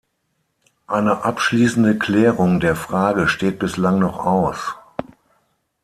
Eine abschließende Klärung der Frage steht bislang noch aus.